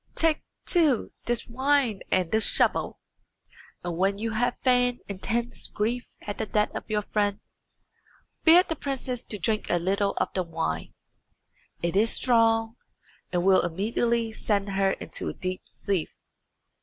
take, too, this wine and this shovel, and when you have feigned intense grief at the death of your friend, bid the princess to drink a little of the wine. It is strong, and will immediately send her into a deep sleep.